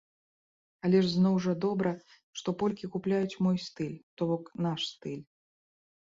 Але зноў жа добра, што полькі купляюць мой стыль, то бок наш стыль.